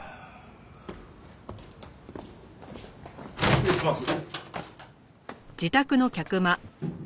失礼します。